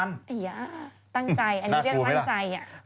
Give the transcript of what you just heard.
ตั้งใจอันนี้เรียกตั้งใจ